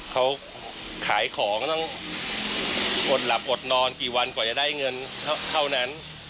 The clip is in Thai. เขาขายของต้องอดหลับอดนอนกี่วันกว่าจะได้เงินเท่านั้น